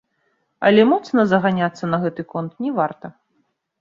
Але моцна заганяцца на гэты конт не варта.